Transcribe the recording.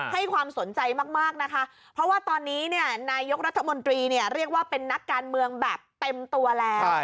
ให้ความสนใจมากนะคะเพราะว่าตอนนี้เนี่ยนายกรัฐมนตรีเนี่ยเรียกว่าเป็นนักการเมืองแบบเต็มตัวแล้ว